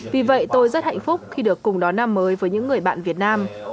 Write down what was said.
vì vậy tôi rất hạnh phúc khi được cùng đón năm mới với những người bạn việt nam